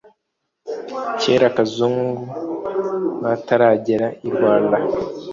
kera ba kazungu bataragera i rwanda